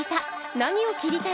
なにを切りたい？